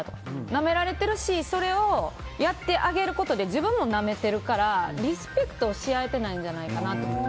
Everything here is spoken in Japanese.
なめられているしそれをやってあげることで自分もなめてるから、リスペクトしあえてないんじゃないかと。